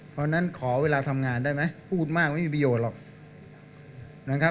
เพราะฉะนั้นขอเวลาทำงานได้ไหมพูดมากไม่มีประโยชน์หรอกนะครับ